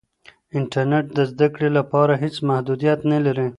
انټرنیټ د زده کړې لپاره هېڅ محدودیت نه لري.